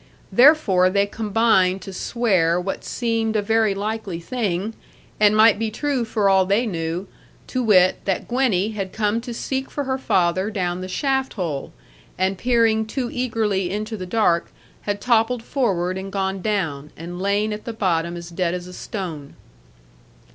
Therefore they combined to swear what seemed a very likely thing, and might be true for all they knew, to wit, that Gwenny had come to seek for her father down the shaft hole, and peering too eagerly into the dark, had toppled forward, and gone down, and lain at the bottom as dead as a stone.